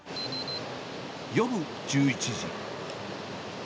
夜１１時。